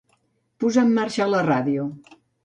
Posar en marxa la ràdio.